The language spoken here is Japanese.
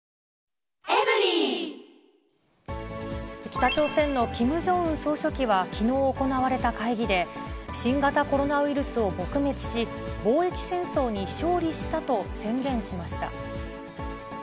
北朝鮮のキム・ジョンウン総書記はきのう行われた会議で、新型コロナウイルスを撲滅し、防疫戦争に勝利したと宣言しました。